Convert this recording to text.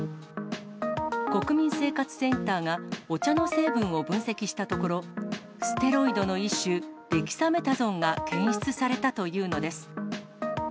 国民生活センターが、お茶の成分を分析したところ、ステロイドの一種、デキサメタゾンが検出されたというのです。